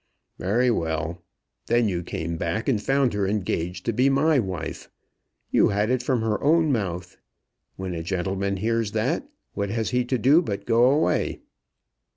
"Very well. Then you came back and found her engaged to be my wife. You had it from her own mouth. When a gentleman hears that, what has he to do but to go away?"